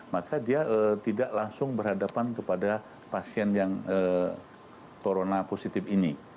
maka dia tidak langsung berhadapan kepada pasien yang corona positif ini